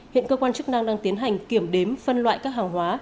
hiện cơ quan chức năng đang tiến hành kiểm đếm phân loại các hàng hóa